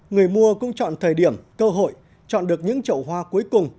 người mua cũng chọn thời điểm cơ hội chọn được những chậu hoa cuối cùng